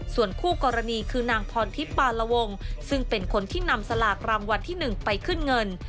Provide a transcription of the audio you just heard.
ส่วนคู่กรณีคือนางพรทิพย์ปาละวงซึ่งเป็นคนที่นำสลากรางวัลที่๑ไปขึ้นเงิน